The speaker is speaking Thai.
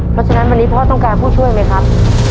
เพราะฉะนั้นวันนี้พ่อต้องการผู้ช่วยไหมครับ